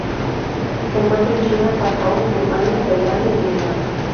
Se encuentra en China, Hong Kong, Birmania, Tailandia y Vietnam.